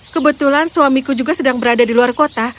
kebetulan suamiku juga sedang berada di luar kota